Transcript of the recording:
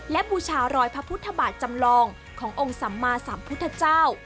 และบูชารอยพระพุทธบาทจำลองขององค์สัมมาสัมพุทธเจ้า